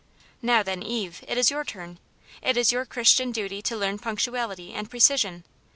Now, then. Eve, it is your turn. It is your Chris tian duty to learn punctuality and precision.